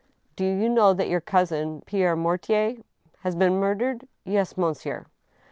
" Do you know that your cousin, Pierre Mortier —"" Has been murdered ? Yes, monsieur."